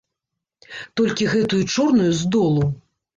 Толькі гэтую чорную з долу.